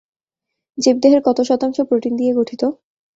জীবদেহের কত শতাংশ প্রোটিন দিয়ে গঠিত?